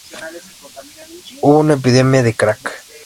Hubo una epidemia de Crack.